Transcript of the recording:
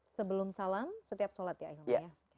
sebelum salam setiap sholat ya